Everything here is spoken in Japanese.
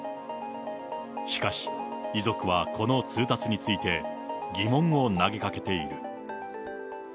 しかし、遺族はこの通達について、疑問を投げかけている。